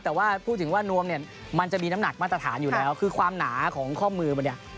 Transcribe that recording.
แต่ว่าพูดถึงว่านวมเนี่ยมันจะมีน้ำหนักมาตรฐานอยู่แล้วคือความหนาของข้อมือมันเนี่ย